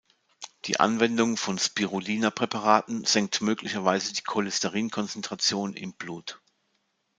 Die Anwendung von Spirulina-Präparaten senkt möglicherweise die Cholesterin-Konzentration im Blut.